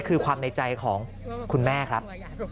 คือความในใจของคุณแม่ครับ